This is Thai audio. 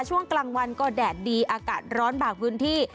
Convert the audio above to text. ช่วงกลางวันก็แดดดีอากาศร้อนบางพื้นที่